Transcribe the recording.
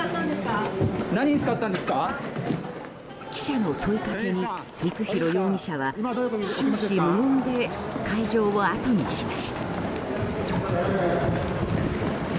記者の問いかけに光弘容疑者は終始無言で会場を後にしました。